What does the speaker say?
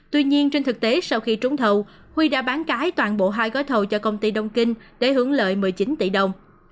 tuy nhiên trên thực tế sau khi trúng thầu huy đã bán cái toàn bộ hai gói thầu cho công ty đông kinh để hưởng lợi một mươi chín tỷ đồng